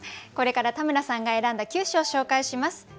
これから田村さんが選んだ九首を紹介します。